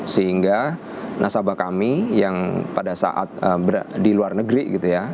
sehingga nasabah kami yang pada saat di luar negeri gitu ya